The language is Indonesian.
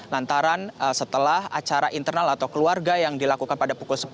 lantaran setelah acara internal atau keluarga yang dilakukan pada pukul sepuluh